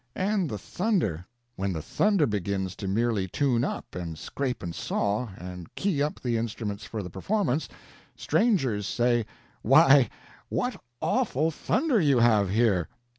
And the thunder. When the thunder begins to merely tune up and scrape and saw, and key up the instruments for the performance, strangers say, "Why, what awful thunder you have here!"